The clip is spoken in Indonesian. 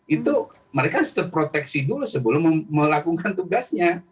itu mereka harus terproteksi dulu sebelum melakukan tugasnya